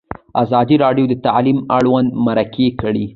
ازادي راډیو د تعلیم اړوند مرکې کړي.